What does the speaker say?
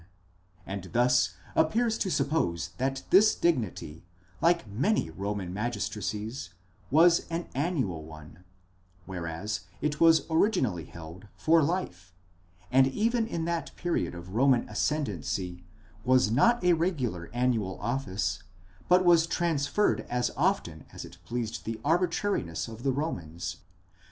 49), and thus appears to suppose that this dignity, like many Roman magistracies, was an annual one; whereas it was originally held for life, and even in that period of Roman ascendancy, was not a regular annual office, but was transferred as often as it pleased the arbi trariness of the Romans.